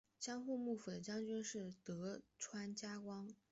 江户幕府的将军是德川家光。